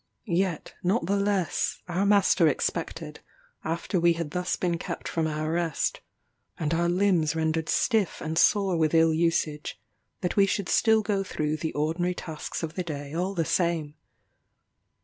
Yet, not the less, our master expected, after we had thus been kept from our rest, and our limbs rendered stiff and sore with ill usage, that we should still go through the ordinary tasks of the day all the same.